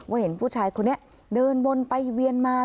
เห็นผู้ชายคนนี้เดินวนไปเวียนมา